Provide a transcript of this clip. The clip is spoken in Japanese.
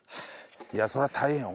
いやそりゃ大変よ。